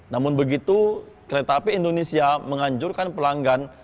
namun begitu kereta api indonesia menganjurkan pelanggan